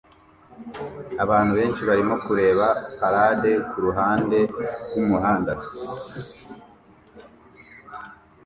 Abantu benshi barimo kureba parade kuruhande rwumuhanda